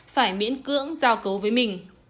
phải miễn cưỡng giao cấu với mình